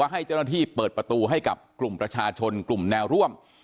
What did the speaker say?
ให้เจ้าหน้าที่เปิดประตูให้กับกลุ่มประชาชนกลุ่มแนวร่วม